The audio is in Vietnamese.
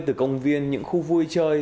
từ công viên những khu vui chơi